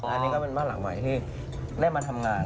อันนี้ก็เป็นเมื่อหลังวัยที่ได้มาทำงาน